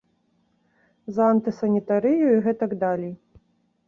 За антысанітарыю і гэтак далей.